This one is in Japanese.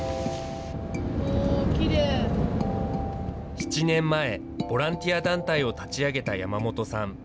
７年前、ボランティア団体を立ち上げた山本さん。